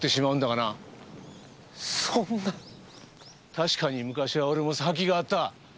確かに昔は俺も覇気があった。